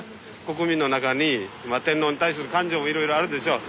国民の中に天皇に対する感情もいろいろあるでしょう。